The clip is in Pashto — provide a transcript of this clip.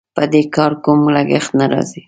په دې کار کوم لګښت نه راځي.